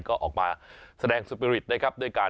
ก็ออกมาแสดงแสดงเป้นใด